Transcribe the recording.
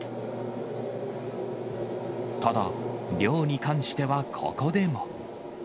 ただ、量に関してはここでも。